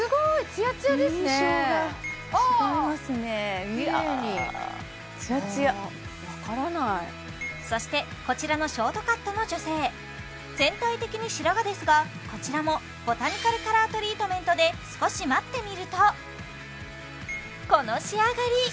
ツヤツヤそしてこちらのショートカットの女性全体的に白髪ですがこちらもボタニカルカラートリートメントで少し待ってみるとこの仕上がり！